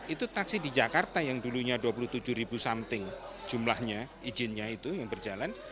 itu taksi di jakarta yang dulunya dua puluh tujuh ribu something jumlahnya izinnya itu yang berjalan